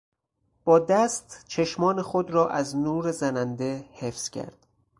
با دست چشمان خود را از نور زننده حفظ کرد.